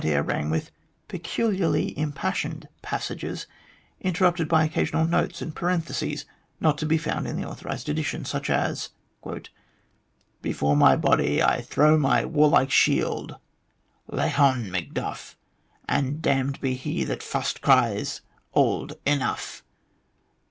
air rang with peculiarly impassioned passages, interrupted by occasional notes and parentheses not to be found in the authorised edition, such as : "Before my body I throw my warlike shield. Lay hon, Afacduff t and damned be he that fust cries, 'Old, enough